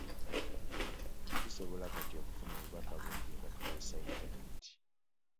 Tusobola kati okufuna obubaka bungi nga tukozesa yintaneeti